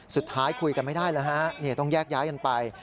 สุดท้ายคุยกันไม่ได้แล้วฮะต้องแยกย้ายกันไป